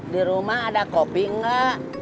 di rumah ada kopi enggak